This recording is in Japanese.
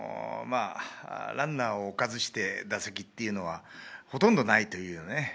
ランナーを置かずして打席っていうのは、ほとんどないというね。